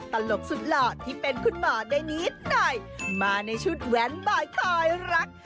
ตลกสุดหล่อที่เป็นคุณหมอได้นิดหน่อยมาในชุดแว้นบอยคอยรัก